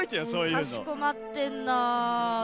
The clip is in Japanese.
かしこまってんな。